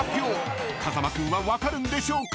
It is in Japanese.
［風間君は分かるんでしょうか？］